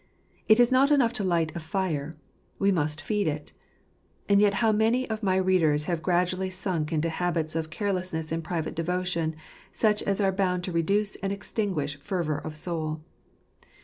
It is not enough to light a fire — we must feed it. And yet how many of my readers may have gradually sunk into habits of carelessness in private devotion, such as are bound to reduce and extinguish fervour of soul